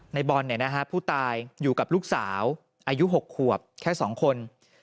ในบอลเนี่ยนะฮะผู้ตายอยู่กับลูกสาวอายุหกขวบแค่สองคน